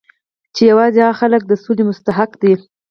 چې یوازې هغه خلک د سولې مستحق دي